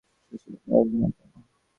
শশী ভাবে, আজ নয় কেন?